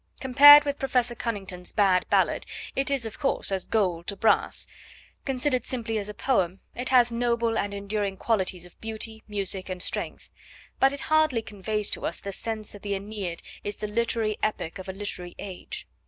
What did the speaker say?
Compared with professor Conington's bad ballad it is, of course, as gold to brass; considered simply as a poem it has noble and enduring qualities of beauty, music and strength; but it hardly conveys to us the sense that the AEneid is the literary epic of a literary age.